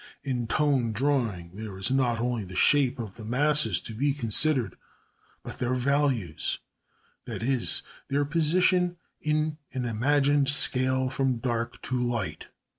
In tone drawing there is not only the shape of the masses to be considered, but their values that is, their position in an imagined scale from dark to light.